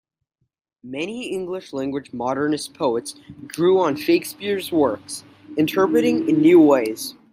Many English-language Modernist poets drew on Shakespeare's works, interpreting in new ways.